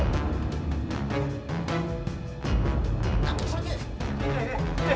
tidak bisa dikebuk